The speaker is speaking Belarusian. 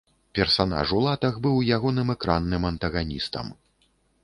Персанаж у латах быў ягоным экранным антаганістам.